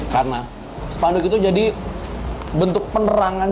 karena panduk itu jadi bentuk penerangan